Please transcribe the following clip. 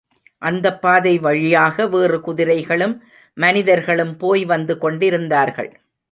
அந்தப் பாதை வழியாக வேறு குதிரைகளும் மனிதர்களும் போய் வந்து கொண்டிருந்தார்கள்.